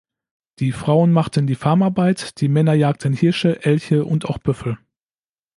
Die Frauen machten die Farmarbeit, die Männer jagten Hirsche, Elche und auch Büffel.